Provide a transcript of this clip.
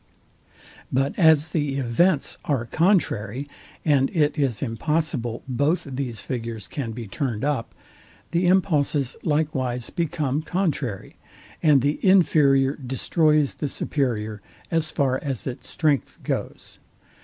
But as the events are contrary, and it is impossible both these figures can be turned up; the impulses likewise become contrary, and the inferior destroys the superior, as far as its strength goes.